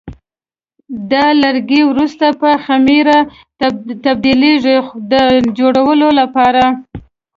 دا لرګي وروسته په خمېره تبدیلېږي د جوړولو لپاره.